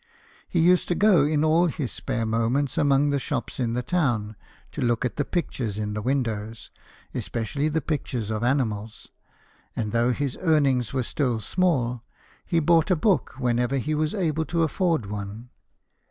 He used to go in all his spare moments among the shops in the town, to look at the pictures in the windows, especially the pictures of animals ; and though his earnings were still small, he bought a book whenever he was able to afford one.